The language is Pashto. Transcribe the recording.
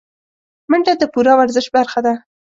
منډه د پوره ورزش برخه ده